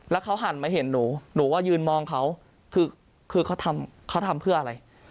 แล้วเขาหันมาเห็นหนูหนูก็ยืนมองเขาคือเขาทำเขาทำเพื่ออะไร